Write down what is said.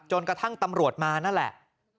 จนกระทั่งตำรวจมานั่นแหละ